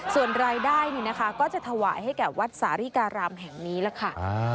ส่วนรายได้ก็จะถวายให้แก่วัดสาริการามแห่งนี้ล่ะค่ะ